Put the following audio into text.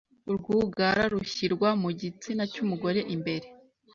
Urwugara rushyirwa mu gitsina cy’umugore imbere